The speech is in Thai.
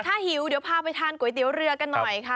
ถ้าหิวเดี๋ยวพาไปทานก๋วยเตี๋ยวเรือกันหน่อยค่ะ